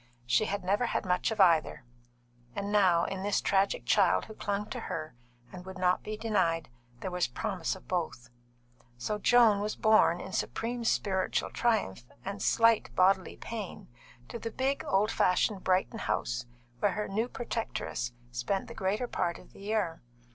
She had never had much of either, and now, in this tragic child who clung to her and would not be denied, there was promise of both. So Joan was borne in supreme spiritual triumph and slight bodily pain to the big, old fashioned Brighton house where her new protectress spent the greater part of the year.